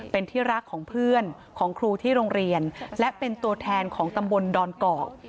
เป็นที่รักของเพื่อนของครูที่โรงเรียนและเป็นตัวแทนของตำบลดอนเกาะ